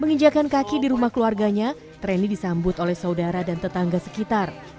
menginjakan kaki di rumah keluarganya reni disambut oleh saudara dan tetangga sekitar